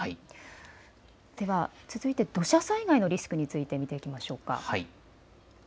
では続いて土砂災害のリスクについて見ていきましょうか。